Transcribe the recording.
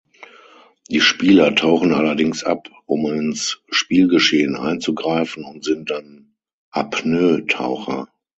Die Spieler tauchen allerdings ab, um ins Spielgeschehen einzugreifen und sind dann Apnoetaucher.